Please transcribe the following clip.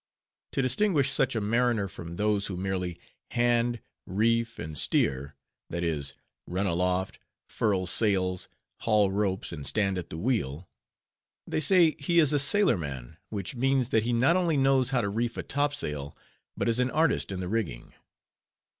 To distinguish such a mariner from those who merely "hand, reef, and steer," that is, run aloft, furl sails, haul ropes, and stand at the wheel, they say he is "a sailor man" which means that he not only knows how to reef a topsail, but is an artist in the rigging.